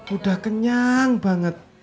udah kenyang banget